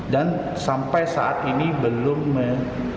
dan sampai saat ini belum meninjak